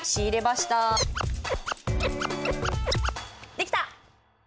できた！